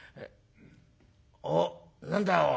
あっ何だおい。